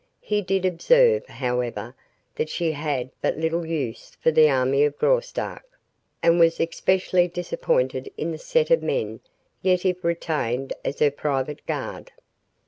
He did observe, however, that she had but little use for the army of Graustark, and was especially disappointed in the set of men Yetive retained as her private guard.